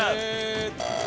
え。